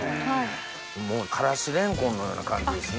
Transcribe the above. もうからしレンコンのような感じですね。